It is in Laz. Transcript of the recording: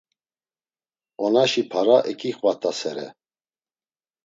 Onaşi para eǩixvat̆asere.